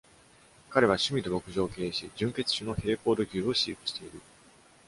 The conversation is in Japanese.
彼は趣味で牧場を経営し、純血種のヘレフォード牛を飼育している。